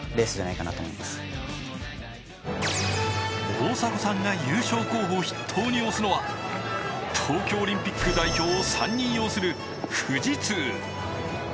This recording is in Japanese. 大迫さんが優勝候補筆頭に推すのは東京オリンピック代表を３人擁する富士通。